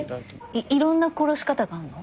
色んな殺し方があるの？